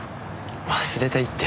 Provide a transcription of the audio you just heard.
忘れたいって。